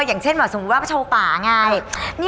อย่างเช่นแบบสมมุติว่าโชว์ป่าไง